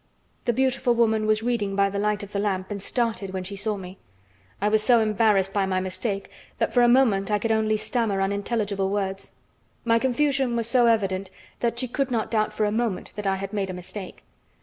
The beautiful woman was reading by the light of the lamp and started when she saw me. I was so embarrassed by my mistake that for a moment I could only stammer unintelligible words. My confusion was so evident that she could not doubt for a moment that I had made a mistake.